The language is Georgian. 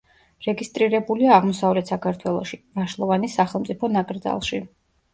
რეგისტრირებულია აღმოსავლეთ საქართველოში, ვაშლოვანის სახელმწიფო ნაკრძალში.